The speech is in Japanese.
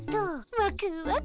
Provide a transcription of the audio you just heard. ワクワク。